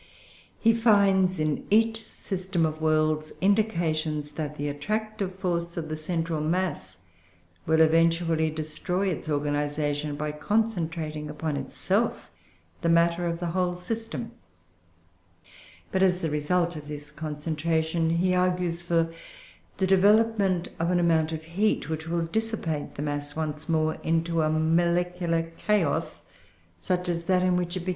He finds in each system of worlds, indications that the attractive force of the central mass will eventually destroy its organisation, by concentrating upon itself the matter of the whole system; but, as the result of this concentration, he argues for the development of an amount of heat which will dissipate the mass once more into a molecular chaos such as that in which it began.